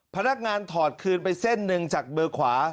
พนักงานถอดคืนไปเส้นหนึ่งจากเบอร์ขวา